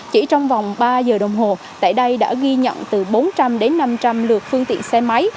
chỉ trong vòng ba giờ đồng hồ tại đây đã ghi nhận từ bốn trăm linh đến năm trăm linh lượt phương tiện xe máy